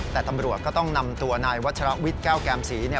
แต่ตำรวจก็ต้องนำตัวนายวัชรวิทย์แก้วแกมศรีเนี่ย